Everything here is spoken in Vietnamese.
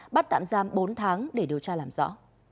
bắt tạm giam bốn tháng để điều tra làm rõ